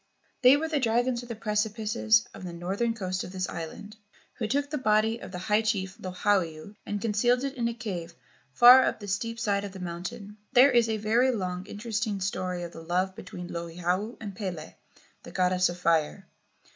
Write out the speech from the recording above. They were the dragons of the precipices of the northern coast of this island, who took the body of the high chief Lohiau and concealed it in a cave far up the steep side of the mountain. There is a very long interesting story of the love between Lohiau and Pele, the goddess of fire.